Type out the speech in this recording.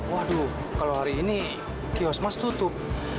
waduh kalau hari ini kiosk mas tutup